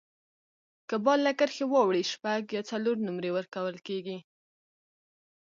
که بال له کرښي واوړي، شپږ یا څلور نومرې ورکول کیږي.